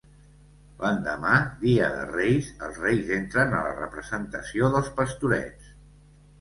L'endemà, dia de reis, els reis entren a la representació dels Pastorets.